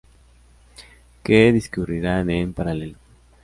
que discurrirán en paralelo